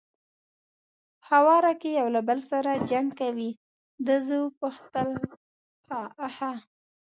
په هواره کې یو له بل سره جنګ کوي، ده زه وپوښتل: آ ښه.